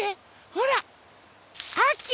ほらあき！